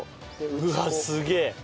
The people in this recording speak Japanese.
うわすげえ！